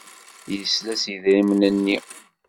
Yesla s yidrimen-nni.